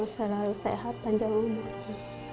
semoga abah selalu sehat dan jauh hidup